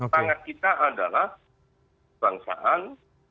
tangan kita adalah kebangsaan